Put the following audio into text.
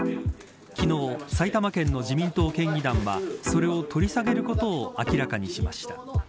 昨日、埼玉県の自民党県議団はそれを取り下げることを明らかにしました。